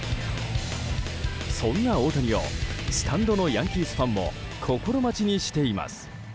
そんな大谷をスタンドのヤンキースファンも心待ちにしています。